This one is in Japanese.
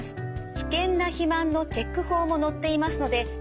危険な肥満のチェック法も載っていますので是非ご参考に。